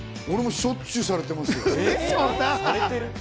俺、しょっちゅうされてますよ。